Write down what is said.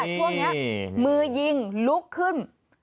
ช่วงนี้มือยิงลุกขึ้น